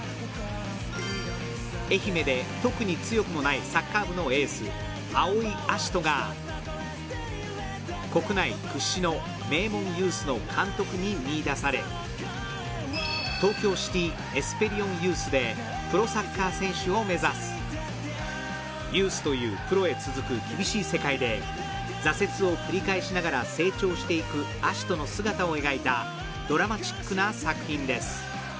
愛媛で特に強くもないサッカー部のエース青井葦人が国内屈指の名門ユースの監督に見いだされ東京シティ・エスペリオンユースでユースというプロへ続く厳しい世界で挫折を繰り返しながら成長していく葦人の姿を描いたドラマチックな作品です